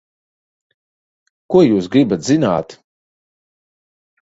Ko jūs gribat zināt?